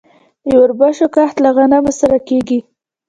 د وربشو کښت له غنمو سره کیږي.